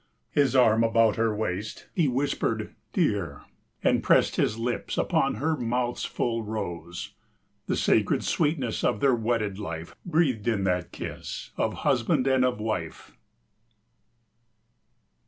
His arm about her waist, he whispered "Dear," And pressed his lips upon her mouth's full rose— The sacred sweetness of their wedded life Breathed in that kiss of husband and of wife.